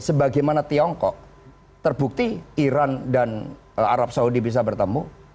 sebagaimana tiongkok terbukti iran dan arab saudi bisa bertemu